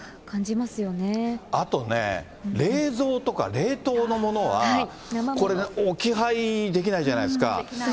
あとね、冷蔵とか冷凍のものは、置き配できないじゃないですか。